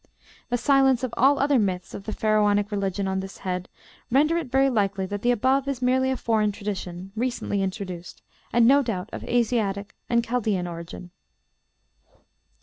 The silence of all other myths of the Pharaonic religion on this head render it very likely that the above is merely a foreign tradition, recently introduced, and no doubt of Asiatic and Chaldean origin."